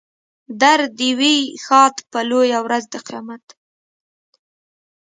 در دې وي ښاد په لویه ورځ د قیامت.